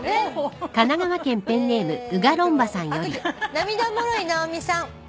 「涙もろい直美さん